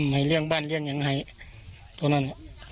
ให้เลี้ยงบ้านเลี้ยงอย่างไหนตัวนั้น